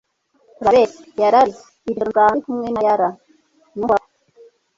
urabeshya! yararize. iri joro nzaba ndi kumwe na yalla. ni uhoraho